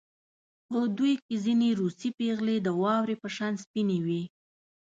په دوی کې ځینې روسۍ پېغلې د واورې په شان سپینې وې